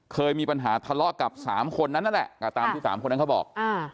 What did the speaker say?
เคยมีปัญหาทะเลาะกับ๓คนนั้นแหละตามทุก๓คนนั้นเขาบอก